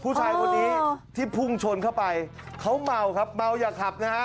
ผู้ชายคนนี้ที่พุ่งชนเข้าไปเขาเมาครับเมาอย่าขับนะฮะ